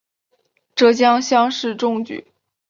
浙江乡试中举。